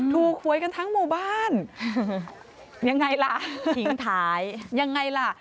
ถูควยกันทั้งหมู่บ้าน